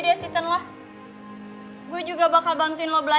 niat gue cuma bantu kok